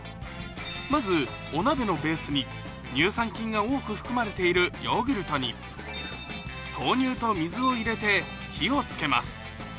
まずお鍋のベースに乳酸菌が多く含まれているヨーグルトに豆乳と水を入れて火を付けます